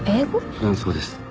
フランス語です。